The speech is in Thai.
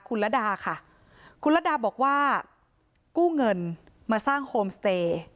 คุณระดาค่ะคุณระดาบอกว่ากู้เงินมาสร้างโฮมสเตย์